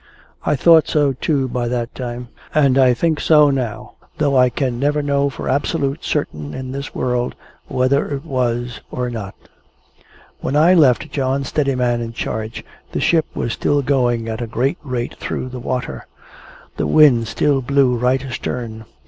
I thought so too by that time, and I think so now, though I can never know for absolute certain in this world, whether it was or not. When I left John Steadiman in charge, the ship was still going at a great rate through the water. The wind still blew right astern.